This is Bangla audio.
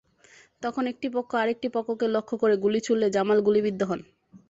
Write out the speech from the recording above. তখন একটি পক্ষ আরেকটি পক্ষকে লক্ষ্য করে গুলি ছুড়লে জামাল গুলিবিদ্ধ হন।